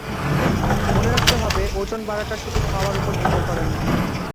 মনে রাখতে হবে, ওজন বাড়াটা শুধু খাওয়ার ওপর নির্ভর করে না।